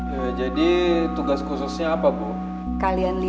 plek blek assessment kelengkapan kalian deh